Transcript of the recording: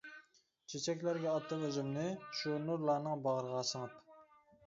چېچەكلەرگە ئاتتىم ئۆزۈمنى، شۇ نۇرلارنىڭ باغرىغا سىڭىپ.